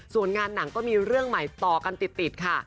ส่วนงานหนังก็มีเรื่องใหม่ต่อกันติดค่ะ